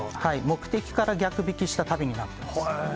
目的から逆引きした旅になっています。